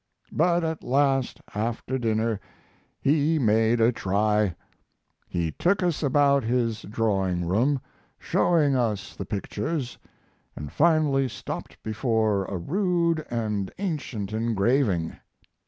But at last, after dinner, he made a try. He took us about his drawing room, showing us the pictures, and finally stopped before a rude and ancient engraving.